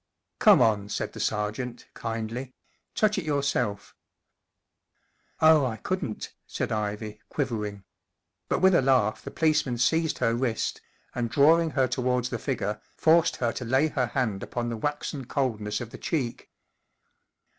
44 Come on," said the sergeant, kindly, 44 touch it yourself." j 44 Oh, I couldn't," said Ivy, quivering, but with a laugh the policeman seized her wrist, and, drawing her towards the figure, forced her to lay her hand upon the waxen coldness of the cheek.